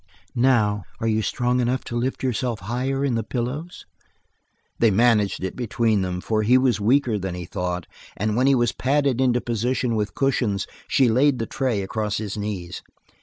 Now, are you strong enough to lift yourself higher in the pillows?" They managed it between them, for he was weaker than he thought and when he was padded into position with cushions she laid the tray across his knees.